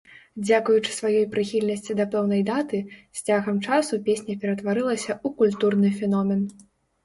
Дзякуючы сваёй прыхільнасці да пэўнай даты, з цягам часу песня ператварылася ў культурны феномен.